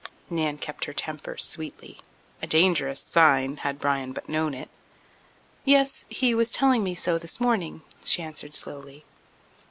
Nan kept her temper sweetly—a dangerous sign, had Bryan but known it. "Yes; he was telling me so this morning," she answered slowly.